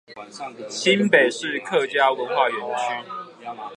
新北市客家文化園區